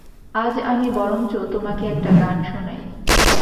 আজ আমি বরঞ্চ তোমাকে একটা গান শোনাই।